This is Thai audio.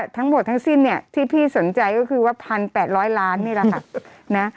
ทั้งหมดทั้งสิ้นเนี่ยที่พี่สนใจก็คือว่า๑๘๐๐ล้านนี่แหละค่ะนะ